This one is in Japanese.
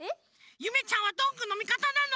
ゆめちゃんはどんぐーのみかたなの？